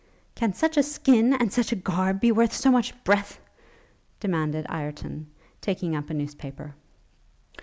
'Can such a skin, and such a garb, be worth so much breath?' demanded Ireton, taking up a news paper.